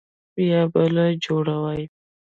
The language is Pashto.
بيا بله جوړوي.